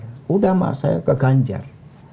sudah mak saya ke ganjar